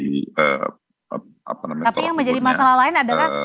tapi yang menjadi masalah lain adalah